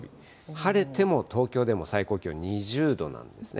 晴れても東京でも最高気温２０度なんですね。